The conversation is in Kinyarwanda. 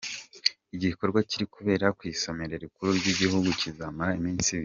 Iki gikorwa kiri kubera ku isomero rikuru ry’igihugu kizamara iminsi ibiri.